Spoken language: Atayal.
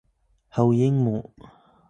hoyin mu